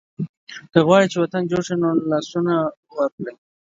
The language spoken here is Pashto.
که غواړئ چې وطن جوړ شي نو لاسونه ورکړئ.